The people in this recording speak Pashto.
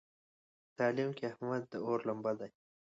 په تعلیم کې احمد د اور لمبه دی.